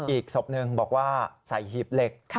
อีกศพหนึ่งบอกว่าใส่หีบเหล็ก